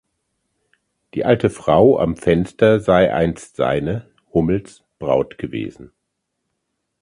Die alte Frau am Fenster sei einst seine (Hummels) Braut gewesen.